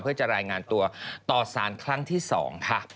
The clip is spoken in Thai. เพื่อจะรายงานตัวต่อสารครั้งที่๒ค่ะ